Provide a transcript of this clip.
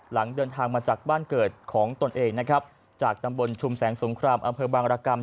หลังเดินทางมาจากบ้านเกิดของตนเองนะครับจากตำบลชุมแสงสงครามอำเภอบางรกรรม